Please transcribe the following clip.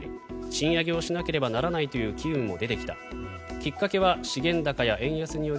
賃上げをしなければならないという機運も出てきた。